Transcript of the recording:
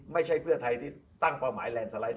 ไม่ใช่เพื่อไทยตั้งประหมาย